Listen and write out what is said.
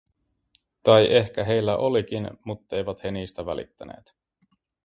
Tai ehkä heillä olikin, mutteivät he niistä välittäneet.